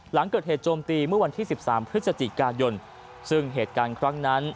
หลังเกิดเหตุโจมตีเมื่อวันที่๑๓พฤศจิกายนซึ่งเหตุการณ์ครั้งนั้น